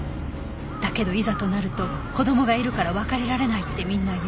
「だけどいざとなると子供がいるから別れられないってみんな言う」